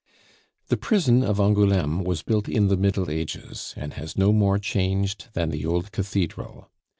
The prison of Angouleme was built in the Middle Ages, and has no more changed than the old cathedral.